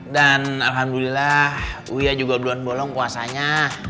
dan alhamdulillah wia juga berduan bolong kuasanya